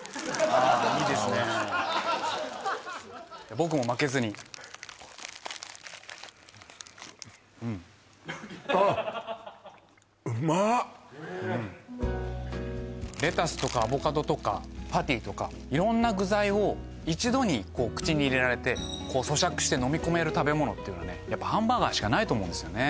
僕も負けずにうんあっレタスとかアボカドとかパティとか色んな具材を一度に口に入れられてそしゃくして飲み込める食べ物っていうのはねやっぱハンバーガーしかないと思うんですよね